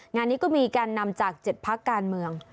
งานนี้ก็มีการนำจาก๗พักการเมือง